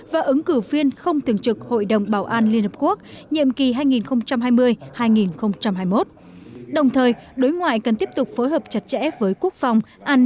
và ứng cử các đối ngoại đa phương